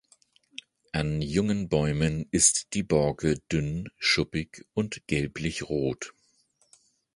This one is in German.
An jungen Bäumen ist die Borke dünn, schuppig und gelblich rot.